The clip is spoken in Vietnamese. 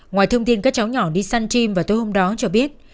ngoài thông tin các cháu nhỏ đi sun team vào tối hôm đó cho biết